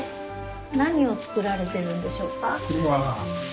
何を作られてるんでしょうか？